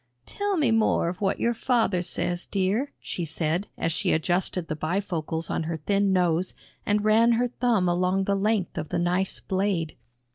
"Tell me more of what your father says, dear," she said as she adjusted the bifocals on her thin nose and ran her thumb along the length of the knife's blade.